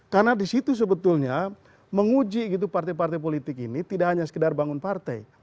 karena di situ sebetulnya menguji partai partai politik ini tidak hanya sekedar bangun partai